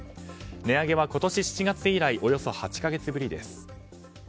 値上げは今年７月以来およそ８か月ぶりです。